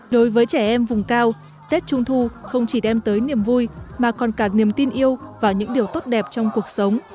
đối với trẻ em vùng cao tết trung thu không chỉ đem tới niềm vui mà còn cả niềm tin yêu và những điều tốt đẹp trong cuộc sống